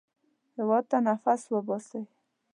هېواد ته نفس وباسئ